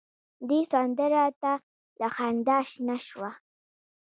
دې سندره ته له خندا شنه شوه.